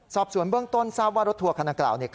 สอบสวนเบื้องต้นทราบว่ารถทัวร์คณะกล่าวเนี่ย